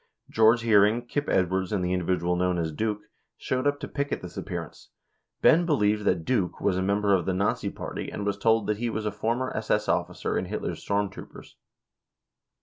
George Hearing, Kip Edwards, and the individual known as "Duke" showed up to picket this appearance. Benz believed that "Duke" was a member of the Nazi Party and was told that he was a former SS officer in Hitler's storm troopers.